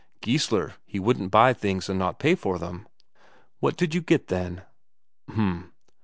Geissler he wouldn't buy things and not pay for them." "What did you get, then?" "H'm.